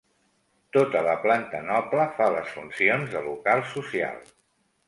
Tota la planta noble fa les funcions de local social.